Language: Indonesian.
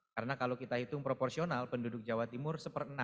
karena kalau kita hitung proporsional penduduk jawa timur satu enam lima belas